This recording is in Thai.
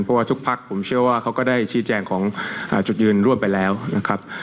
เพราะว่าทุกพักผมเชื่อว่าเขาก็ได้ชี้แจงของจุดยืนร่วมไปแล้วนะครับ